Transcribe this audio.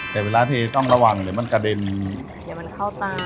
แต่เวลาที่ต้องระวังหรือมันกระเด็นเดี๋ยวมันเข้าตา